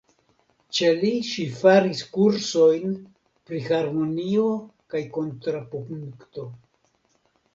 Ĉe li ŝi faris kursojn pri harmonio kaj kontrapunkto.